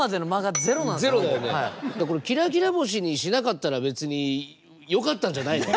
これ「きらきら星」にしなかったら別によかったんじゃないの？